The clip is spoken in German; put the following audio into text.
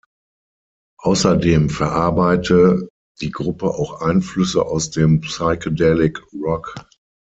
Außerdem verarbeite die Gruppe auch Einflüsse aus dem Psychedelic Rock.